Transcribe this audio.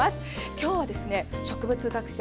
今日は植物学者